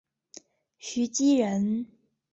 徐积人。